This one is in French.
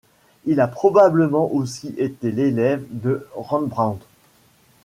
Il a probablement aussi été l'élève de Rembrandt.